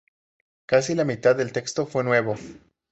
Casi la mitad del texto fue nuevo.